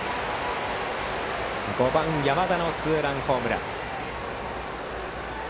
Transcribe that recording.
５番、山田のツーランホームラン。